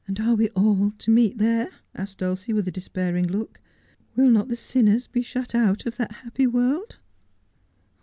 Are we all to meet there ?' asked Dulcie, with a despairing look. ' Will not the sinners be shut out of that happy world